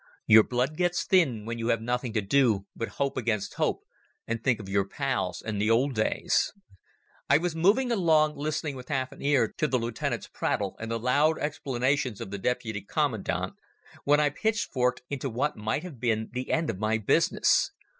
Your blood gets thin when you have nothing to do but hope against hope and think of your pals and the old days. I was moving along, listening with half an ear to the lieutenant's prattle and the loud explanations of the deputy commandant, when I pitchforked into what might have been the end of my business.